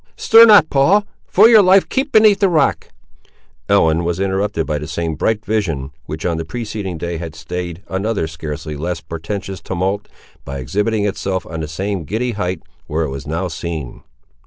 "Stir not, Paul; for your life keep beneath the rock!" Ellen was interrupted by the same bright vision, which on the preceding day had stayed another scarcely less portentous tumult, by exhibiting itself on the same giddy height, where it was now seen.